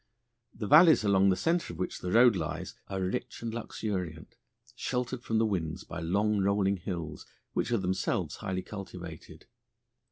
The valleys along the centre of which the road lies are rich and luxuriant, sheltered from the winds by long rolling hills, which are themselves highly cultivated.